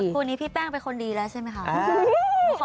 คู่นี้พี่แป้งเป็นคนดีแล้วใช่ไหมคะ